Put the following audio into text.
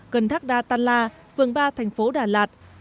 gần thác đa tan la phường ba thành phố đà lạt